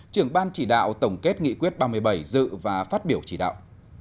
trưởng ban chỉ đạo tổng kết nghị quyết ba mươi bảy dự và phát biểu chỉ đạo